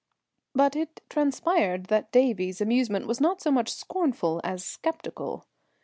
But it transpired that Davie's amusement was not so much scornful as sceptical.